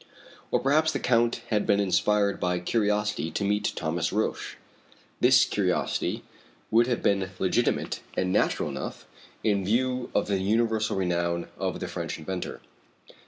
Or perhaps the Count had been inspired by curiosity to meet Thomas Roch? This curiosity would have been legitimate and natural enough in view of the universal renown of the French inventor.